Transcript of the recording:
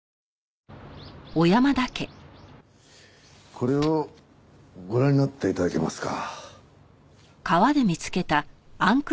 これをご覧になって頂けますか？